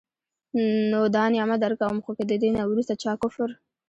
نو دا نعمت درکوم، خو که د دي نه وروسته چا کفر